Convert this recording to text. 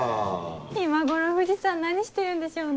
今頃藤さん何してるんでしょうね。